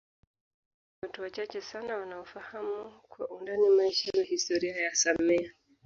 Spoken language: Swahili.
Ni watu wachache sana wanaofahamu kwa undani maisha na historia ya samia